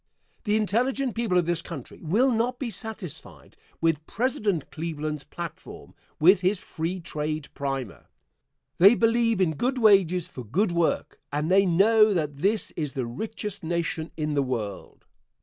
The intelligent people of this country will not be satisfied with President Cleveland's platform with his free trade primer. They believe in good wages for good work, and they know that this is the richest nation in the world.